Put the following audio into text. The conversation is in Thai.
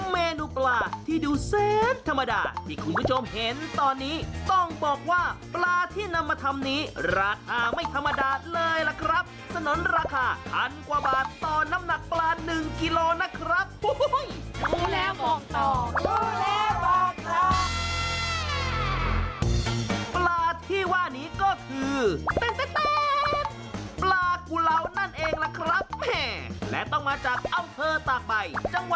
เมนูปลาที่ดูเส้นธรรมดาที่คุณผู้ชมเห็นตอนนี้ต้องบอกว่าปลาที่นำมาทำนี้ราคาไม่ธรรมดาเลยล่ะครับสนุนราคาพันกว่าบาทต่อน้ำหนักปลาหนึ่งกิโลนะครับดูแล้วบอกต่อครับปลาที่ว่านี้ก็คือปลากุลาวนั่นเองล่ะครับแม่และต้องมาจากอำเภอตากใบ